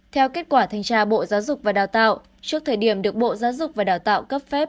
theo kết quả thanh tra bộ giáo dục và đào tạo trước thời điểm được bộ giáo dục và đào tạo cấp phép